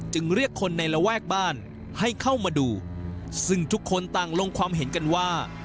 เรียกคนในระแวกบ้านให้เข้ามาดูซึ่งทุกคนต่างลงความเห็นกันว่า